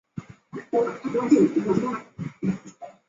朱德故居位于马鞍镇。